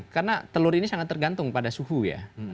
karena telur ini sangat tergantung pada suhu ya